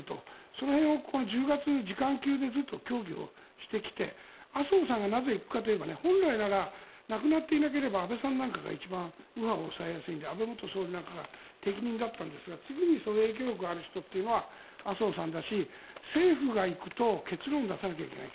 その辺を１１月、次官級でずっと協議をしてきて麻生さんがなぜ行くかといえば本来なら亡くなっていなければ安倍さんなんかが右派を抑えやすいので安倍元総理が適任だったんですが次に影響力がある人というのは麻生さんだし、政府が行くと結論を出さないといけない。